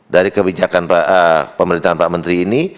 dari kebijakan pemerintahan pak menteri ini